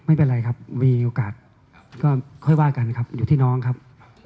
ไม่เป็นไรครับมีโอกาสก็ค่อยว่ากันครับอยู่ที่น้องครับ